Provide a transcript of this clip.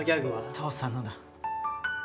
父さんのだ。